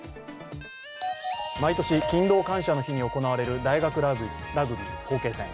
毎年、勤労感謝の日に行われる大学ラグビー早慶戦。